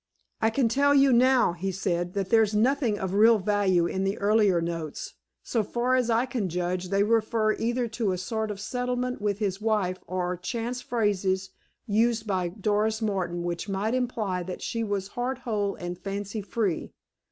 "I can tell you now," he said, "that there's nothing of real value in the earlier notes. So far as I can judge, they refer either to a sort of settlement with his wife or chance phrases used by Doris Martin which might imply that she was heart whole and fancy free.